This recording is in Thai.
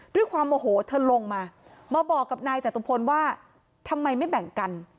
ด้วยความโมโหเธอลงมามาบอกกับนายจตุพลว่าทำไมไม่แบ่งกัน